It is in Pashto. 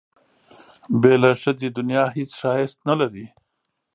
بې له ښځې دنیا هېڅ ښایست نه لري.